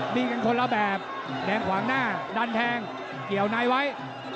มีกันคนละแบบแดงขวางหน้าดันแทงเกี่ยวในไว้